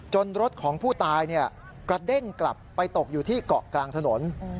รถของผู้ตายกระเด้งกลับไปตกอยู่ที่เกาะกลางถนน